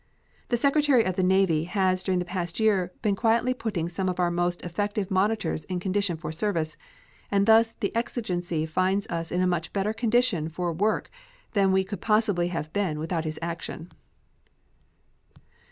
The Secretary of the Navy has during the past year been quietly putting some of our most effective monitors in condition for service, and thus the exigency finds us in a much better condition for work than we could possibly have been without his action.